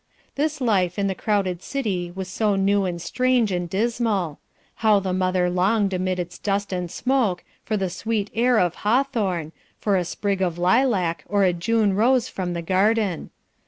This life in the crowded city was so new and strange and dismal. How the mother longed amid its dust and smoke for the sweet air of Hawthorn, for a sprig of lilac, or a June rose from the garden.